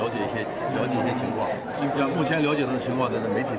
di bali kita ingin mengetahui beberapa hal